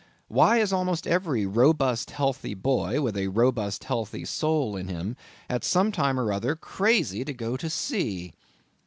Why is almost every robust healthy boy with a robust healthy soul in him, at some time or other crazy to go to sea?